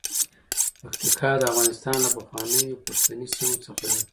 پکتیکا د افغانستان له پخوانیو پښتني سیمو څخه ده.